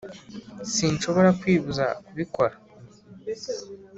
sinshobora kwibuza kubikora"